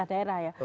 dari dua daerah ya